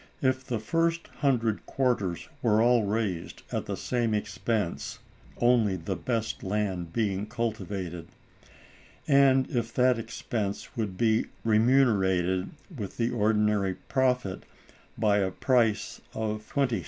If the first hundred quarters were all raised at the same expense (only the best land being cultivated), and if that expense would be remunerated with the ordinary profit by a price of 20_s.